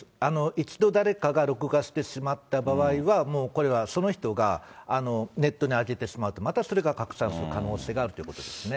一度、誰かが録画してしまった場合は、もうこれは、その人がネットに上げてしまうと、またそれが拡散する可能性があるということですね。